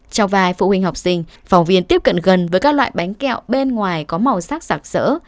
trong vài phụ huynh học sinh phóng viên tiếp cận gần với các loại bánh kẹo bên ngoài có màu sắc sạc sỡ